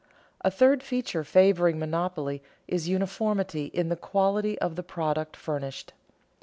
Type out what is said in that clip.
_A third feature favoring monopoly is uniformity in the quality of the product furnished.